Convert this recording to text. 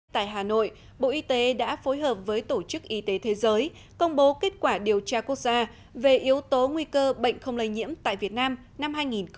tại hà nội bộ y tế đã phối hợp với tổ chức y tế thế giới công bố kết quả điều tra quốc gia về yếu tố nguy cơ bệnh không lây nhiễm tại việt nam năm hai nghìn hai mươi